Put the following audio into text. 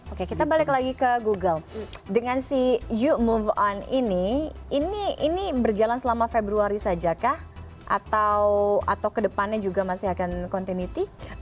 oke kita balik lagi ke google dengan si you move on ini ini berjalan selama februari saja kah atau kedepannya juga masih akan continuity